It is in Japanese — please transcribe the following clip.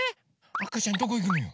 あかちゃんどこいくのよ？